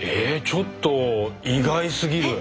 ちょっと意外すぎる。